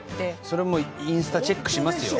それもうインスタチェックしますよ。